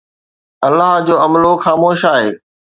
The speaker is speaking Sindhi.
الله جو عملو خاموش آهي